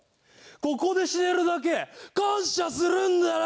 ここで死ねるだけ感謝するんだな！